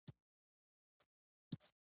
په غالۍ کې د ژوند کیسې انځورېږي.